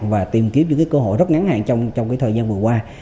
và tìm kiếm những cơ hội rất ngắn hạn trong thời gian vừa qua